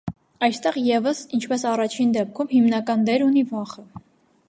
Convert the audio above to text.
Այստեղ ևս, ինչպես առաջին դեպքում, հիմնական դեր ունի վախը։